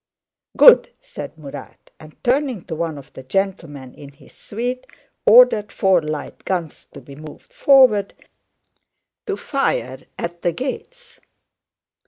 "Good!" said Murat and, turning to one of the gentlemen in his suite, ordered four light guns to be moved forward to fire at the gates.